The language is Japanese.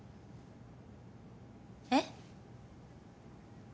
えっ？